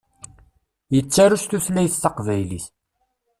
Yettaru s tutlayt taqbaylit.